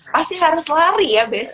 pasti harus lari ya